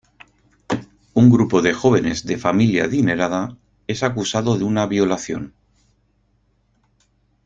Un grupo de jóvenes de familia adinerada es acusado de una violación.